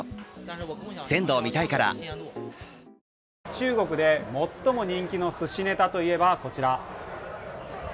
中国で最も人気のすしネタといえば、こちら。